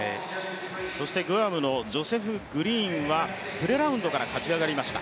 そしてグアムのジョセフ・グリーンはプレラウンドから勝ち上がりました。